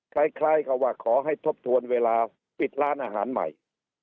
ใครเขาว่าขอให้ทบทวนเวลาปิดร้านอาหารใหม่